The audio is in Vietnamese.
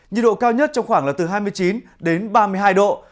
nhiệt độ cao nhất trong khoảng là từ hai mươi chín đến ba mươi hai độ